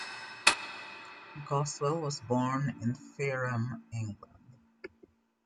Goswell was born in Fareham, England.